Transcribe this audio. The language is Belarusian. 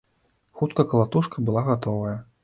Хутка калатушка была гатовая.